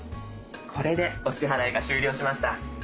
これでお支払いが終了しました。